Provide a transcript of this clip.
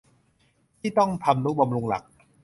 ที่ต้องทำนุบำรุงหลัก